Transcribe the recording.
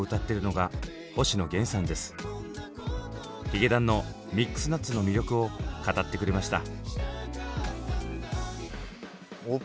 ヒゲダンの「ミックスナッツ」の魅力を語ってくれました。